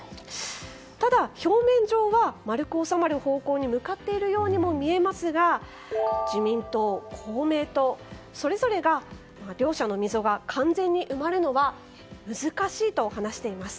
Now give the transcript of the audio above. ただ表面上は丸く収まる方向に向かっているようにも見えますが自民党、公明党それぞれが両者の溝が完全に埋まるのは難しいと話しています。